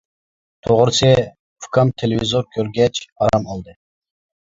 توغرىسى، ئۇكام تېلېۋىزور كۆرگەچ ئارام ئالدى.